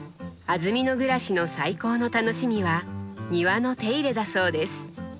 安曇野暮らしの最高の楽しみは庭の手入れだそうです。